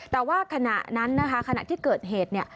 แต่ว่าขณะนั้นขณะที่เกิดเหตุ